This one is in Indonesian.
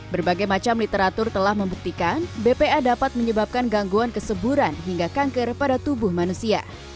berbagai macam literatur telah membuktikan bpa dapat menyebabkan gangguan keseburan hingga kanker pada tubuh manusia